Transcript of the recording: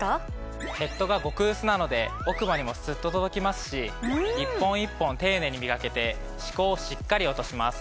ヘッドが極薄なので奥歯にもスッと届きますし１本１本丁寧にみがけて歯垢をしっかり落とします。